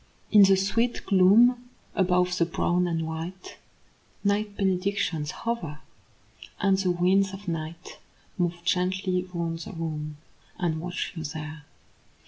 In the sweet gloom above the brown and white Night benedictions hover; and the winds of night Move gently round the room, and watch you there.